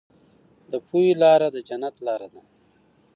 د پوهې لاره د جنت لاره ده.